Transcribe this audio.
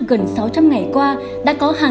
đó là những ngày vừa qua